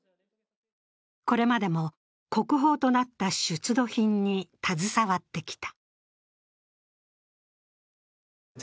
これまでも国宝となった出土品に携わってきた。